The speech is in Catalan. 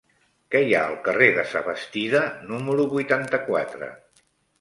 Què hi ha al carrer de Sabastida número vuitanta-quatre?